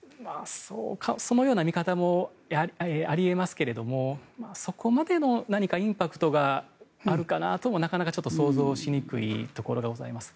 そのような見方もあり得ますけれどもそこまでの何かインパクトがあるかなともなかなかちょっと想像しにくいところがあります。